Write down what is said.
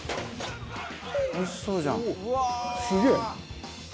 「おいしそうじゃん」「すげえ！」